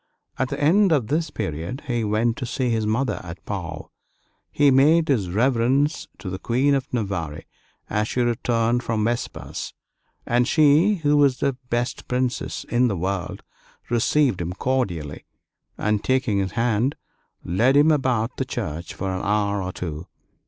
At the end of this period he went to see his mother at Pau. He made his reverence to the Queen of Navarre as she returned from vespers; and she, who was the best princess in the world, received him cordially, and taking his hand, led him about the church for an hour or two.